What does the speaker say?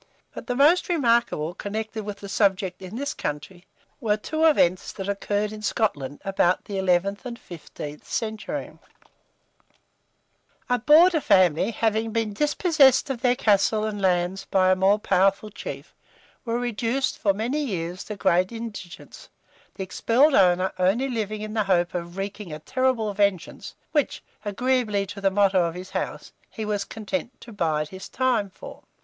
But the most remarkable connected with the subject in this country, were two events that occurred in Scotland, about the 11th and 15th centuries. A border family having been dispossessed of their castle and lands by a more powerful chief, were reduced for many years to great indigence, the expelled owner only living in the hope of wreaking a terrible vengeance, which, agreeably to the motto of his house, he was content to "bide his time" for.